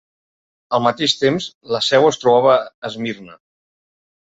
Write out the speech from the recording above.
Al mateix temps, la seu es trobava a Esmirna.